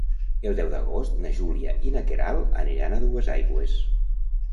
El deu d'agost na Júlia i na Queralt aniran a Duesaigües.